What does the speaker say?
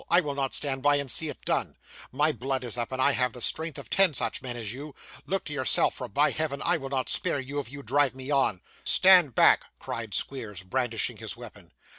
I will not stand by, and see it done. My blood is up, and I have the strength of ten such men as you. Look to yourself, for by Heaven I will not spare you, if you drive me on!' 'Stand back,' cried Squeers, brandishing his weapon.